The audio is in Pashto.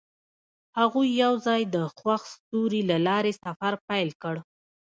هغوی یوځای د خوښ ستوري له لارې سفر پیل کړ.